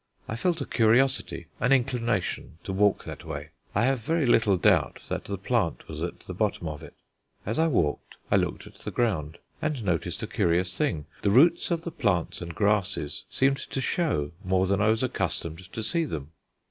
I felt a curiosity, an inclination, to walk that way: I have very little doubt that the plant was at the bottom of it. As I walked I looked at the ground, and noticed a curious thing: the roots of the plants and grasses seemed to show more than I was accustomed to see them.